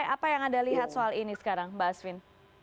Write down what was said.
apa yang anda lihat soal ini sekarang mbak asvin